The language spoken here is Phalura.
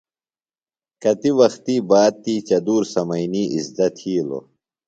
کتی وختیۡ باد تی چدُور سمئینی اِزدہ تِھیلوۡ۔